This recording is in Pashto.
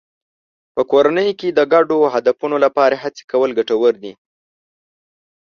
په کورنۍ کې د ګډو هدفونو لپاره هڅې کول ګټور دي.